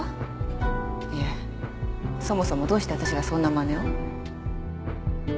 いえそもそもどうして私がそんな真似を？